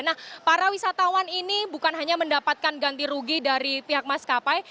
nah para wisatawan ini bukan hanya mendapatkan ganti rugi dari pihak maskapai